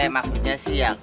maksudnya sih ya